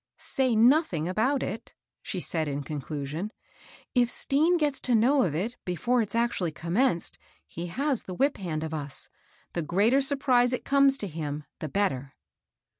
^' Say nothing about it," she said in conclusion. *' If Stean gets to know of it before it's actually commenced, he has the whip hand of us. The greater surprise it comes to him, the better."